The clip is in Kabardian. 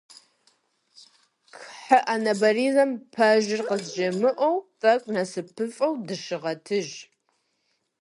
Кхъыӏэ нобэризэм пэжыр къызжумыӏэу, тӏэкӏу нэсыпыфӏэу дыщыгъэтыж.